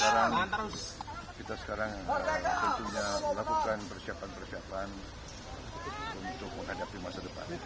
dan kita sekarang tentunya melakukan persiapan persiapan untuk menghadapi masa depan